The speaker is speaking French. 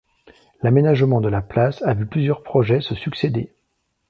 L'aménagement de la place a vu plusieurs projets se succéder.